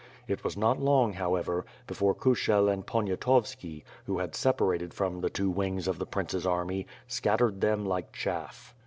It was not long, however, before Kushel and Poniatovski, who had sej)arated from the two wings of thie prince's army, scattered them like chaff.